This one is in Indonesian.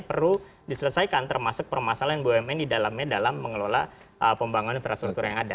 perlu diselesaikan termasuk permasalahan bumn di dalamnya dalam mengelola pembangunan infrastruktur yang ada